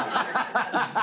ハハハハ！